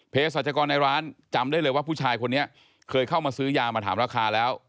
สัจกรในร้านจำได้เลยว่าผู้ชายคนนี้เคยเข้ามาซื้อยามาถามราคาแล้ว